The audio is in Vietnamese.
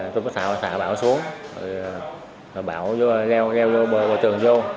tôi xạ bảo xuống bảo leo bờ trường vô